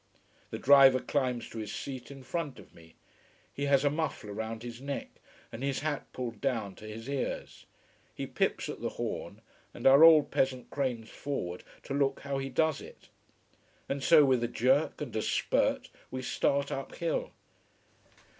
The driver climbs to his seat in front of me. He has a muffler round his neck and his hat pulled down to his ears. He pips at the horn, and our old peasant cranes forward to look how he does it. And so, with a jerk and a spurt, we start uphill.